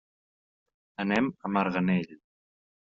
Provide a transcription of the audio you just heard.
Anem a Marganell.